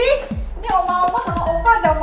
ini omah omah sama opa ada